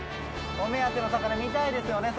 お目当ての魚見たいですよね？